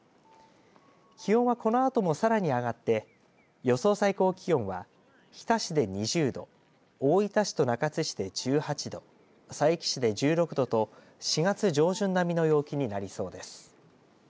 気温はこのあともさらに上がって予想最高気温は日田市で２０度大分市と中津市で１８度佐伯市で１６度と４月上旬並みの陽気になりそうです。